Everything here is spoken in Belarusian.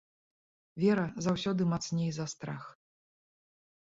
Вера заўсёды мацней за страх.